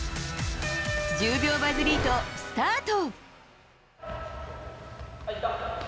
１０秒バズリート、スタート。